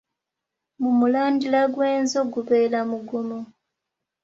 Mu mulandira gw’enzo gubeera mugumu.